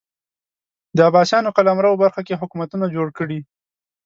د عباسیانو قلمرو برخو کې حکومتونه جوړ کړي